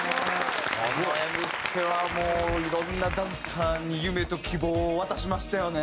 あの『Ｍステ』はもういろんなダンサーに夢と希望を渡しましたよね。